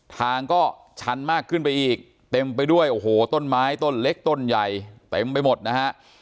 ทางก็ชันมากขึ้นไปอีกเต็มไปด้วยโอ้โหต้นไม้ต้นเล็กต้นใหญ่เต็มไปหมดนะฮะ